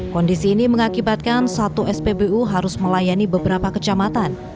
kondisi ini mengakibatkan satu spbu harus melayani beberapa kecamatan